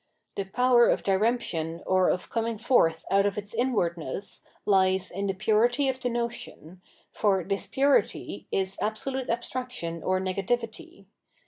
The power of diremp tion or of coming forth out of its inwardness lies in the purity of the notion, for this purity is absolute abstrac tion or negativity.